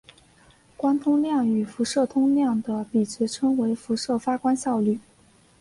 光通量与辐射通量的比值称为辐射发光效率。